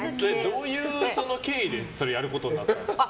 どういう経緯でそれやることになったんですか？